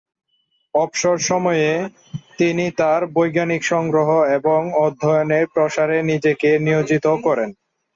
অবসর সময়ে, তিনি তাঁর বৈজ্ঞানিক সংগ্রহ এবং অধ্যয়নের প্রসারে নিজেকে নিয়োজিত করেন।